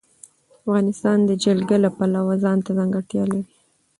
افغانستان د جلګه د پلوه ځانته ځانګړتیا لري.